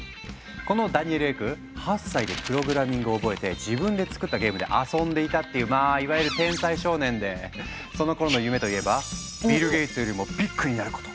このダニエル・エク８歳でプログラミングを覚えて自分で作ったゲームで遊んでいたっていうまあいわゆる天才少年でそのころの夢といえば「ビル・ゲイツよりもビッグになること」だったとか。